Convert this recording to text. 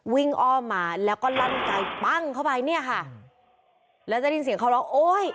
อ้อมมาแล้วก็ลั่นใจปั้งเข้าไปเนี่ยค่ะแล้วจะได้ยินเสียงเขาร้องโอ๊ย